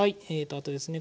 あとですね